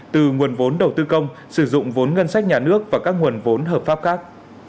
từ nguồn vốn đầu tư công sử dụng vốn ngân sách nhà nước và các nguồn vốn hợp pháp khác